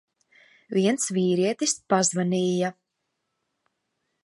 Viens vīrietis pazvanīja.